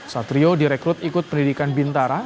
satrio direkrut ikut pendidikan bintara